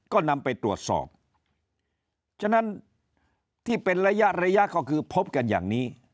ก็นำไปตรวจสอบฉะนั้นที่เป็นระยะระยะก็คือพบกันอย่างนี้